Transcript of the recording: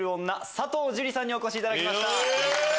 佐藤樹里さんにお越しいただきました。